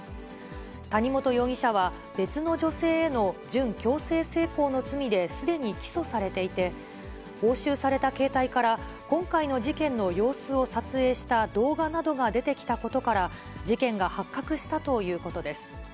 谷本容疑者は、別の女性への準強制性交の罪ですでに起訴されていて、押収された携帯から、今回の事件の様子を撮影した動画などが出てきたことから、事件が発覚したということです。